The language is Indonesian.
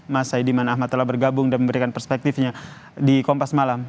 mas saidiman ahmad telah bergabung dan memberikan perspektifnya di kompas malam